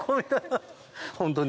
ホントに。